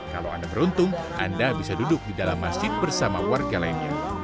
kalau anda beruntung anda bisa duduk di dalam masjid bersama warga lainnya